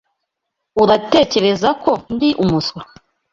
Uratekereza ko ndi umuswa?